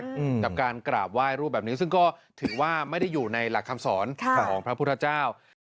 กับการกราบไหว้รูปแบบนี้ซึ่งก็ถือว่าไม่ได้อยู่ในหลักคำสอนของพระพุทธเจ้า